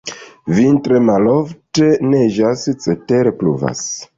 Vintre malofte neĝas, cetere pluvas.